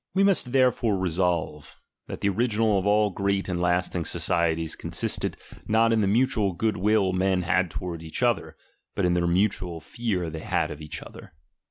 We must therefore resolve, that the original of all great and lasting societies consisted not in the mutual good will men had towards each other, bnt in the mutual fear* they had of each other.